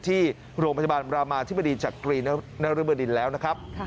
ที่โรงพยาบาลรามาธิบดีจักรีนรบดินแล้วนะครับ